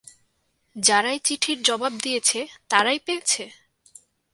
যারাই চিঠির জবাব দিয়েছে তারাই পেয়েছে?